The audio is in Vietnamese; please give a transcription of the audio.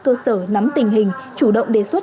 cơ sở nắm tình hình chủ động đề xuất